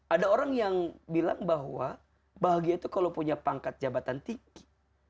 ada orang yang bilang bahwa bahagia itu kalau punya pangkat jabatan tinggi